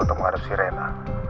untuk menghadapi reina